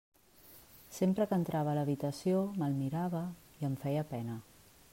Sempre que entrava a l'habitació me'l mirava i em feia pena.